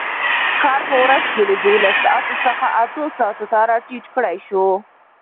کار په ورځ کې له دولس ساعتو څخه اتو ساعتو ته راټیټ کړای شو.